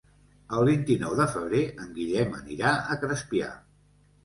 El vint-i-nou de febrer en Guillem anirà a Crespià.